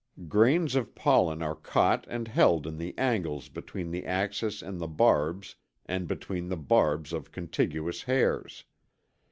Grains of pollen are caught and held in the angles between the axis and the barbs and between the barbs of contiguous hairs.